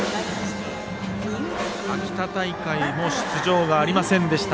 秋田大会でも出場がありませんでした。